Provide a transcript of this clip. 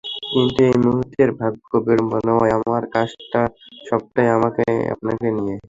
কিন্তু এই মুহূর্তে, ভাগ্য বিড়ম্বনায়, আমার কাজটা সবটাই আপনাকে নিয়ে।